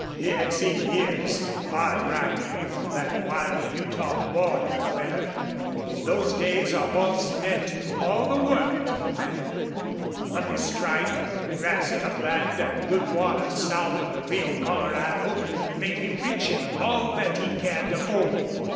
He had seen years of hard riding on that wild Utah border where, in those days, a horse meant all the world to a man. A lucky strike of grassy upland and good water south of the Rio Colorado made him rich in all that he cared to own.